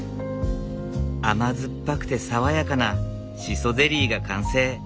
甘酸っぱくて爽やかなシソゼリーが完成。